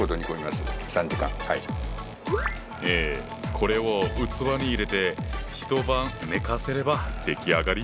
これを器に入れて一晩寝かせれば出来上がり。